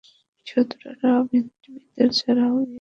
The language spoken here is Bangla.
শত্রুরা আর্মিদের ছাড়াও এয়ারফোর্সকেও নিশানা করেছে!